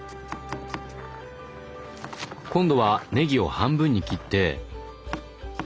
今度はねぎを半分に切ってああ